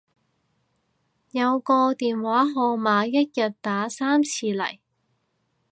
有個電話號碼一日打三次嚟